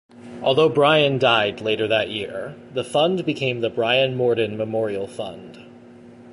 Although Brian died later that year, the fund became the Brian Morden Memorial Fund.